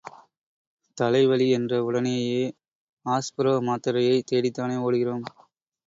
தலைவலி என்ற உடனேயே, ஆஸ்ப்ரோ மாத்திரையைத் தேடித் தானே ஓடுகிறோம்.